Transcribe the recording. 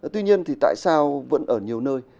tuy nhiên thì tại sao vẫn ở nhiều nơi